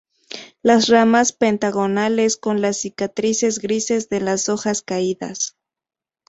Las ramas pentagonales, con las cicatrices grises de las hojas caídas.